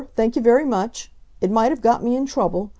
Thank you very much. It might have got me in trouble.